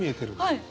はい。